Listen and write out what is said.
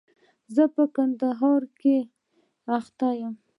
زه په کندهار کښي اخته يم.